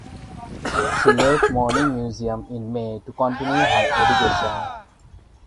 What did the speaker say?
She left Morning Musume in May to continue her education.